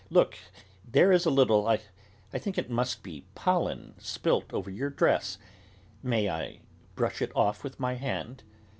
Look, there is a little I think it must be pollen, spilt over your dress, may I brush it off with my hand?